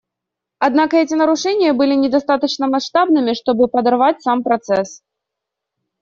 Однако эти нарушения были недостаточно масштабными, чтобы подорвать сам процесс.